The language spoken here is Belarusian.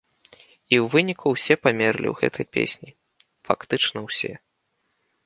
І ў выніку ўсе памерлі ў гэтай песні, фактычна ўсе.